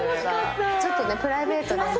ちょっとプライベートでも。